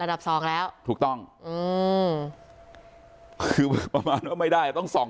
สองแล้วถูกต้องอืมคือประมาณว่าไม่ได้อ่ะต้องส่อง